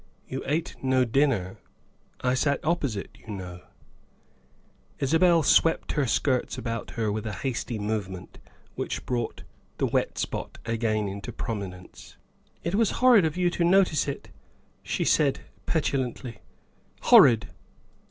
You ate no dinner I sat oppo site, you know " Isabel swept her skirts about her with a hasty move ment which brought the wet spot again into prominence. " It was horrid in you to notice it," she said petu lantly" horrid."